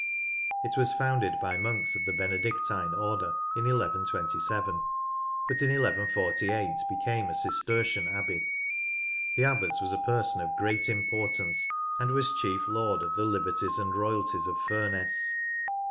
It was founded by monks of the Benedictine Order in 1127, but in 1148 became a Cistercian abbey. The Abbot was a person of great importance, and was chief lord of the liberties and royalties of Furness.